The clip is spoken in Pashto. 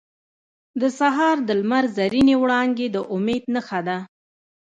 • د سهار د لمر زرینې وړانګې د امید نښه ده.